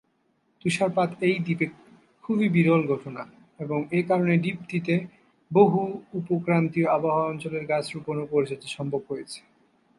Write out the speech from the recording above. তুষারপাত এই দ্বীপে খুবই বিরল ঘটনা এবং এ কারণে দ্বীপটিতে বহু উপ-ক্রান্তীয় আবহাওয়া অঞ্চলের গাছ রোপন ও পরিচর্যা সম্ভব হয়েছে।